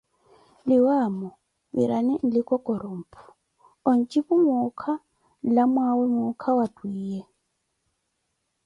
Niwaamo virani nlikokoroh mphu, onjipuh muukha, nlamwaawe muukha wa twiiye.